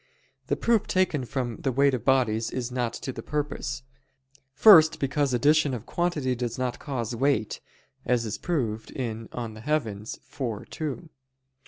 The proof taken from the weight of bodies is not to the purpose. First, because addition of quantity does not cause weight; as is proved (De Coelo et Mundo iv, 2).